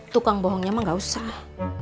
tukang bohongnya mah gak usah